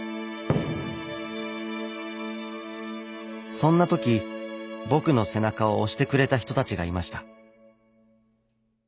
そんな時僕の背中を押してくれた人たちがいました。